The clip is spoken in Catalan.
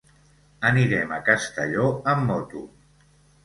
Anirem a Castelló amb moto.